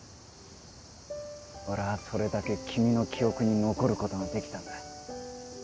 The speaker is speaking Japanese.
俺はそれだけ君の記憶に残ることができたんだ。